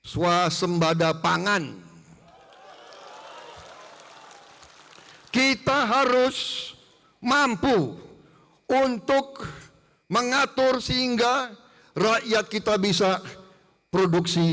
swasembada pangan kita harus mampu untuk mengatur sehingga rakyat kita bisa produksi